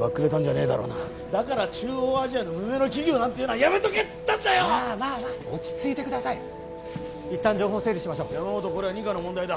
ばっくれたんじゃねえだろうなだから中央アジアの無名の企業なんていうのはやめとけって言ったんだよまあまあまあ落ち着いてくださいいったん情報を整理しましょう山本これは２課の問題だ